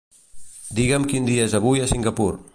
Digue'm quin dia és avui a Singapur.